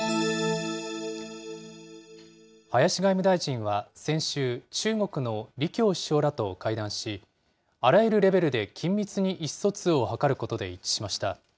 林外務大臣は先週、中国の李強首相らと会談し、あらゆるレベルで緊密に意思疎通を図ることで一致しました。